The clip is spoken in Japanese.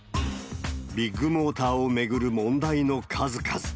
ビッグモーターを巡る問題の数々。